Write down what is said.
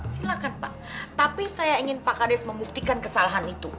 silakan pak tapi saya ingin pakardes membuktikan kesalahan itu